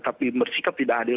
tapi bersikap tidak adil